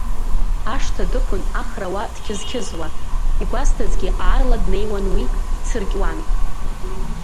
Ашҭа дықәын Ахра уа дқьызқьызуа, игәасҭазгьы аарла днеиуан уи, дцыркьуан.